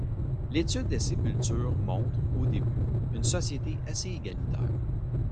L'étude des sépultures montre, aux débuts, une société assez égalitaire.